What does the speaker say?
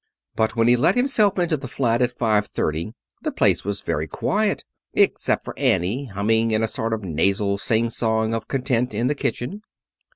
But when he let himself into the flat at five thirty the place was very quiet, except for Annie, humming in a sort of nasal singsong of content in the kitchen.